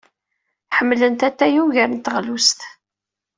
Ḥemmlent atay ugar n teɣlust.